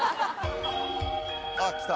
あっきた。